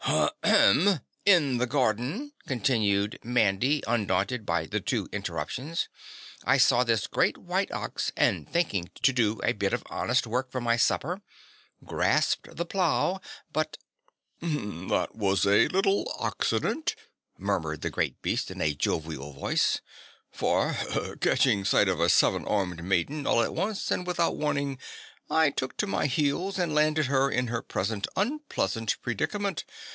"Ahem in the garden," continued Mandy undaunted by the two interruptions, "I saw this great white ox and thinking to do a bit of honest work for my supper, grasped the plough, but " "That was a little oxident," murmured the great beast in a jovial voice, "for, catching sight of a seven armed maiden all at once and without warning, I took to my heels and landed her in her present unpleasant predicament.